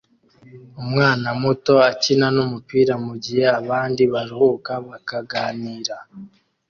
Umwana muto akina numupira mugihe abandi baruhuka bakaganira